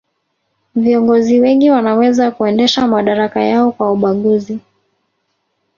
viongozi wengi wanaweza kuendesha madaraka yao kwa ubaguzi